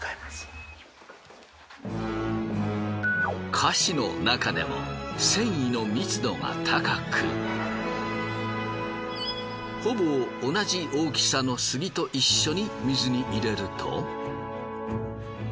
樫のなかでも繊維の密度が高くほぼ同じ大きさのスギと一緒に水に入れると。